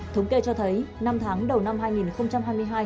thống kê cho thấy năm tháng đầu năm hai nghìn hai mươi hai